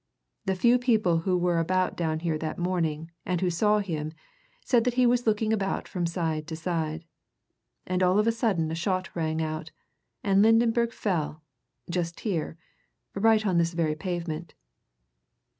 The few people who were about down here that morning, and who saw him, said that he was looking about from side to side. And all of a sudden a shot rang out, and Lydenberg fell just here right on this very pavement."